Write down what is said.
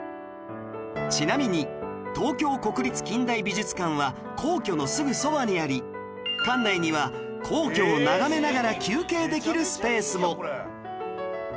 ちなみに東京国立近代美術館は皇居のすぐそばにあり館内には皇居を眺めながら休憩できるスペースも